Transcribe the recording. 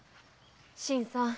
新さん。